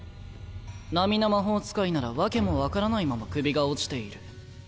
並な魔法使いなら訳も分からないまま首が落ちている。